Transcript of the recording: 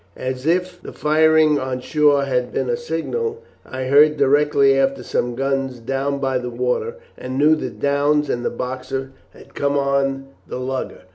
As if the firing on shore had been a signal, I heard directly after some guns down by the water, and knew that Downes and the Boxer had come on the lugger.